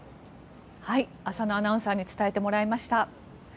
浅野アナウンサーに伝えてもらいました。